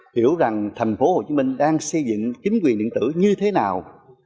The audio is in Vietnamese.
hiểu rằng thành phố hồ chí minh đang xây dựng chính quyền điện tử như thế nào